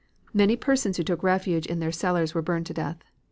Many persons who took refuge in their cellars were burned to death.